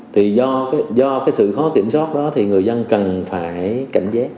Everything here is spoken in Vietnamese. thì do cái sự khó kiểm soát đó thì người dân cần phải cảnh giác